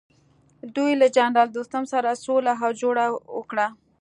دوی له جنرال دوستم سره سوله او جوړه وکړه.